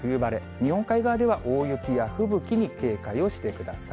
日本海側では大雪や吹雪に警戒をしてください。